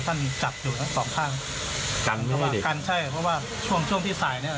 จับอยู่ทั้งสองข้างกันระหว่างกันใช่เพราะว่าช่วงช่วงที่สายเนี้ย